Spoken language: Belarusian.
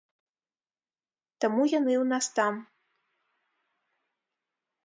Таму яны ў нас там.